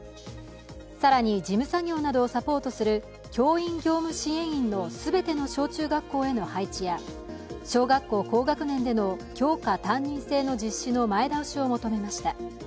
更に事務作業などをサポートする教員業務支援員の全ての小中学校への配置や小学校高学年での教科担任制の実施の前倒しを求めました。